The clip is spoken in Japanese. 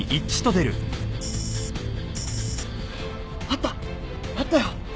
あったよ！